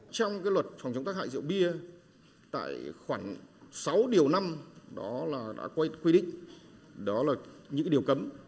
trong luật phòng chống tác hại rượu bia khoảng sáu điều năm đã quy định đó là những điều cấm